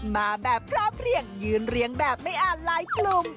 มาแบบพร้อมเพลี่ยงยืนเรืองแบบไม่อ่านลายกลุ่ม